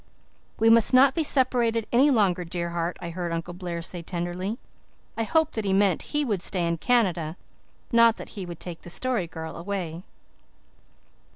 "We must not be separated any longer, dear heart," I heard Uncle Blair say tenderly. I hoped that he meant he would stay in Canada not that he would take the Story Girl away.